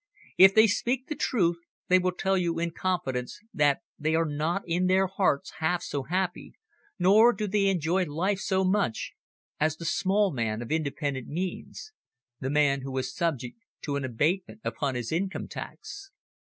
If they speak the truth they will tell you in confidence that they are not in their hearts half so happy, nor do they enjoy life so much, as the small man of independent means, the man who is subject to an abatement upon his income tax.